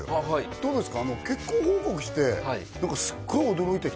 どうですか？